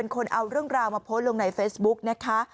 คนเอาเรื่องราวมาโพสต์ลงในเฟซบุ๊กนะคะ